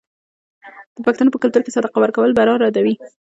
د پښتنو په کلتور کې صدقه ورکول بلا ردوي.